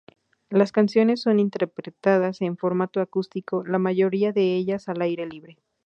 Las canciones son interpretadas en formato acústico, la mayoría de ellas al aire libre.